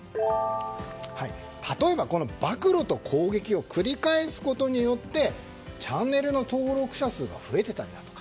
例えば、暴露と攻撃を繰り返すことによってチャンネルの登録者数が増えていたんじゃないか。